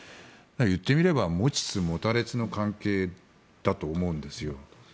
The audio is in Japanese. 言ってみれば持ちつ持たれつの関係だと思うんですよ。